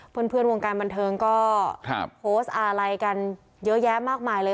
เพื่อนวงการบันเทิงก็โพสต์อะไรกันเยอะแยะมากมายเลย